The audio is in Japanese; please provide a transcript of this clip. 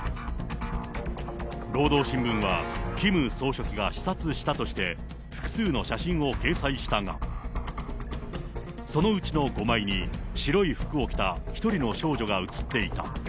労働新聞はキム総書記が視察したとして、複数写真を掲載したが、そのうちの５枚に白い服を着た１人の少女が写っていた。